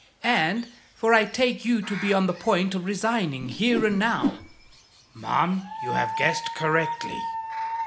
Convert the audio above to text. "And for I take you to be on the point of resigning, here and now " "Ma'am, you have guessed correctly."